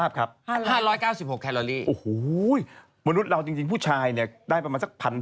ไม่ออกกำลังที่สองที่สองใช่ไหม